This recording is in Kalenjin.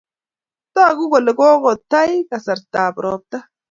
Taku kole kokotai kasarta ab robta